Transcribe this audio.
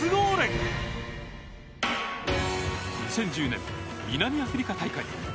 ２０１０年南アフリカ大会。